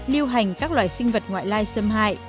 lưu hành các loài sinh vật ngoại lai xâm hại